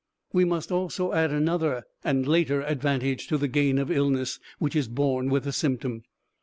We must also add another and later advantage to the gain of illness which is born with the symptom.